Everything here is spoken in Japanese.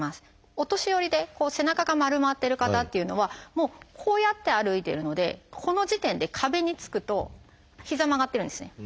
お年寄りで背中が丸まってる方っていうのはこうやって歩いてるのでこの時点で壁につくと膝曲がってるんですね。